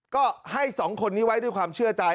ก็ให้สองคนนี้ไว้ด้วยความเชื่อใจ